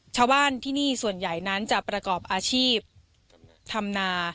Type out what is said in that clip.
ชาวบ้านที่นี่ส่วนใหญ่นั้นจะประกอบอาชีพทำนา